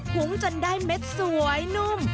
ุ้งจนได้เม็ดสวยนุ่ม